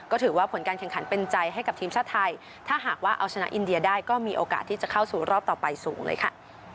ก็ถือว่าผลการแข่งขันเป็นใจให้กับทีมชาติไทยถ้าหากว่าเอาชนะอินเดียได้ก็มีโอกาสที่จะเข้าสู่รอบต่อไปสูงเลยค่ะ